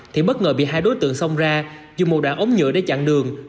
thì bất ngờ bị hai đối tượng xông ra dùng một đạn ống nhựa để chặn đường